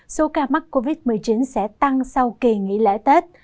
số ca mắc covid một mươi chín sẽ tăng sau kỳ nghỉ lễ tết